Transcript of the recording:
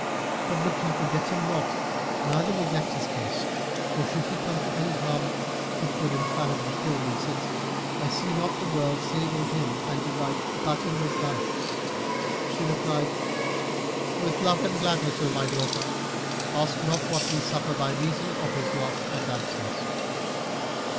But look ye forget him not neither neglect his case; for should he come to any harm, it would infallibly kill me, since I see not the world save in him and delight but in his life." She replied, "With love and gladness, O my daughter. Ask not what we suffer by reason of his loss and absence."